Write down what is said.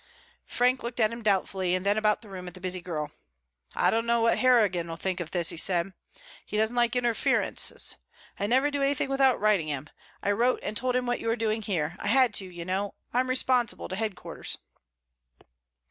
Frank looked at him doubtfully and then about the room at the busy girls. "I don't know what Harrigan will think of all this," he said. "He doesn't like interferences. I never do anything without writing him. I wrote and told him what you were doing here. I had to, you know. I'm responsible to headquarters."